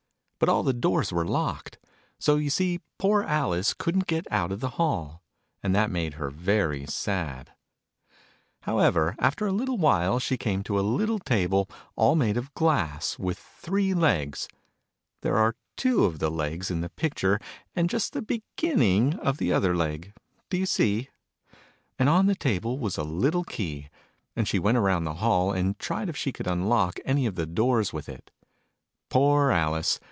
But all the doors were locked : so, you see, poor Alice couldn't get out of the hall : and that made her very sad. Digitized by Google THE NURSERY 6 " ALICE." However, after a little while, she came to a little table, all made of glass, with three legs ( There are two of the legs in the picture, and just the beginning of the other leg, do you see?), and on the table was a little kev : and she went round the hall, and tried if she could unlock anv of the doors with it. Poor Alice